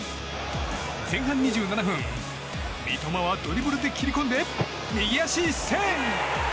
前半２７分、三笘はドリブルで切り込んで右足一閃！